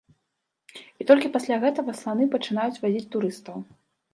І толькі пасля гэтага сланы пачынаюць вазіць турыстаў.